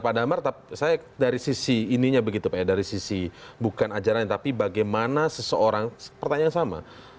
pak damar saya dari sisi ininya begitu pak ya dari sisi bukan ajaran tapi bagaimana seseorang pertanyaan yang sama